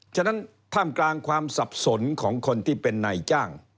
ฉะนั้นท่ามกลางความสับสนของคนที่เป็นนายจ้าง